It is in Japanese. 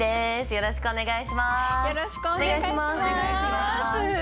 よろしくお願いします。